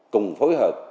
cùng phối hợp